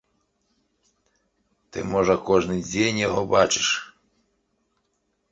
Ты можа кожны дзень яго бачыш?